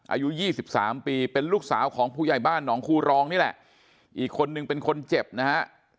อายุ๒๓ปีเป็นลูกสาวของผู้ใหญ่บ้านหนองคูรองนี่แหละอีกคนนึงเป็นคนเจ็บนะฮะ